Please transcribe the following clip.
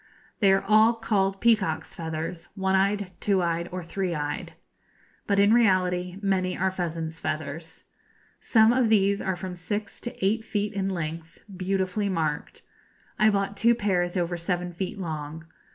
They are all called peacocks' feathers, one eyed, two eyed, or three eyed; but, in reality, many are pheasants' feathers. Some of these are from six to eight feet in length, beautifully marked. I bought two pairs over seven feet long.